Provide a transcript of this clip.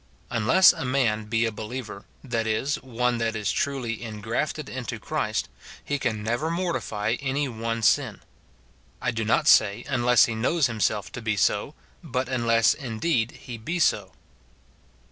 Unless a man he a believer, — tliat is, one that is truly ingrafted into Christ, — he can never mortify any one sin ; I do not say, unless he knoAV himself to be so, but unless indeed he be so.